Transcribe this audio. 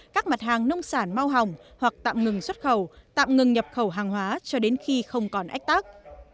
các mặt hàng nông sản mau hỏng hoặc tạm ngừng xuất khẩu tạm ngừng nhập khẩu hàng hóa cho đến khi không còn ách tắc